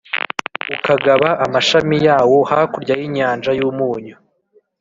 ukagaba amashami yawo hakurya y’inyanja y’Umunyu.